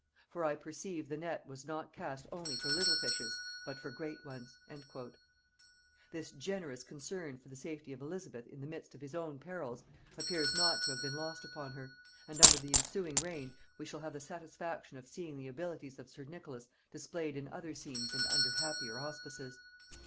For I perceive the net was not cast only for little fishes but for great ones." [Note 26: Strype's Memorials.] This generous concern for the safety of Elizabeth in the midst of his own perils appears not to have been lost upon her; and under the ensuing reign we shall have the satisfaction of seeing the abilities of sir Nicholas displayed in other scenes and under happier auspices.